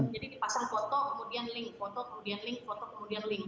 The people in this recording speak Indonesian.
jadi dipasang foto kemudian link foto kemudian link foto kemudian link